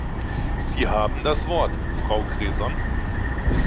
Sie haben das Wort, Frau Cresson.